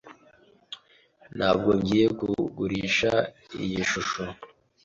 Ntabwo ngiye kugurisha iyi shusho.